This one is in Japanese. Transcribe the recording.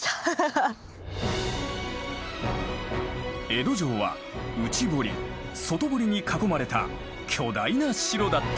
江戸城は内堀外堀に囲まれた巨大な城だった。